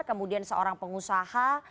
kemudian seorang pengusaha